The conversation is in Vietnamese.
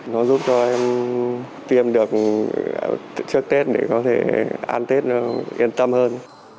nó giúp cho em tiêm được trước tết để có thể ăn tết nó yên tâm hơn